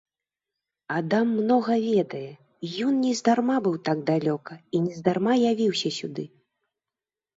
Адам многа ведае, ён нездарма быў так далёка і нездарма явіўся сюды.